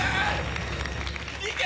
いけ！